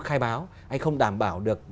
khai báo anh không đảm bảo được